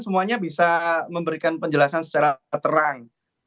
semuanya bisa memberikan penjelasan secara terang